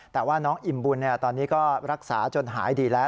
แต่ว่าน้องอิ่มบุญตอนนี้ก็รักษาจนหายดีแล้ว